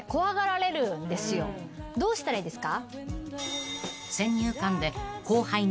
どうしたらいいですか？